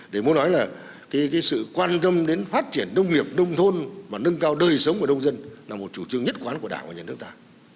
để muốn nói là sự quan tâm đến phát triển nông nghiệp nông thôn và nâng cao đời sống của nông dân là một chủ trương nhất quán của đảng và nhà nước ta